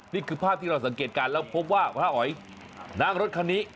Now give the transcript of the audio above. นี่คือภาพที่เราสังเกตการณ์แล้วพบว่าพระอ๋อยนั่งรถคันนี้